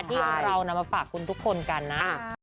ที่เรานำมาฝากคุณทุกคนกันนะ